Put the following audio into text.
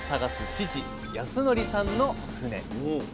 父康則さんの船。